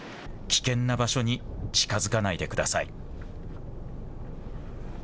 危険な場所に近づかないでください。